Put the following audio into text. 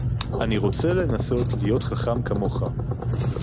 אני רוצה לנסות להיות חכם כמוך